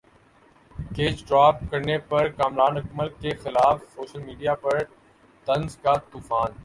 catch drop کرنے پر کامران اکمل کیخلاف سوشل میڈیا پر طنز کا طوفان